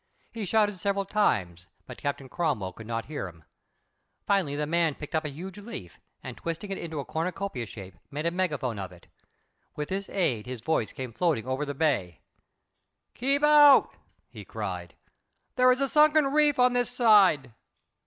He shouted several times, but Captain Cromwell could not hear him. Finally, the man picked up a huge leaf, and, twisting it into a cornucopia shape, made a megaphone of it. With this aid his voice came floating over the bay. "Keep off!" he called. "There is a sunken reef on this side.